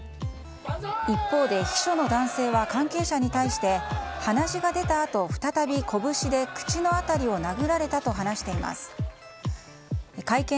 一方で秘書の男性は関係者に対して鼻血が出たあと、再び拳で口の辺りを殴られたと話しています。